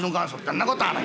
そんなことはない。